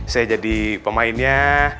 saya jadi pemainnya